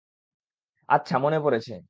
আচ্ছা, মনে পড়েছে।